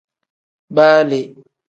Baa le.